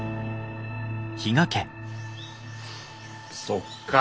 そっか。